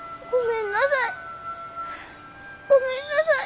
ごめんなさい。